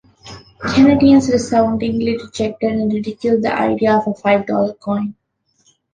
Canadians resoundingly rejected and ridiculed the idea of a five-dollar coin.